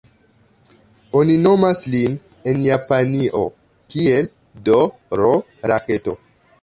Oni nomas lin en Japanio kiel "D-ro Raketo".